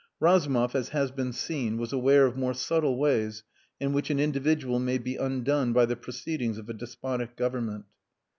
Razumov, as has been seen, was aware of more subtle ways in which an individual may be undone by the proceedings of a despotic Government.